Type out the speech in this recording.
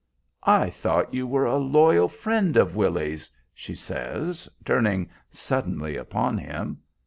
"I thought you were a loyal friend of Willy's," she says, turning suddenly upon him.